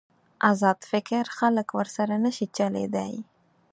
ازاد فکر خلک ورسره نشي چلېدای.